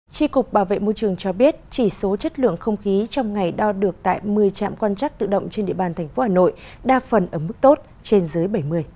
tri cục bảo vệ môi trường cho biết chỉ số chất lượng không khí trong ngày đo được tại một mươi trạm quan trắc tự động trên địa bàn tp hà nội đa phần ở mức tốt trên dưới bảy mươi